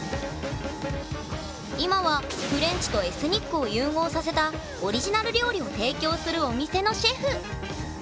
今はフレンチとエスニックを融合させたオリジナル料理を提供するお店のシェフ。